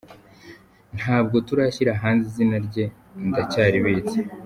Ntabwo turashyira hanze izina rye ndacyaribitse”.